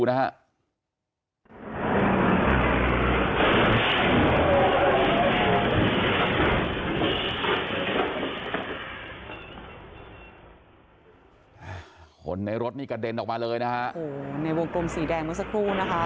คนในรถนี่กระเด็นออกมาเลยนะฮะโอ้โหในวงกลมสีแดงเมื่อสักครู่นะคะ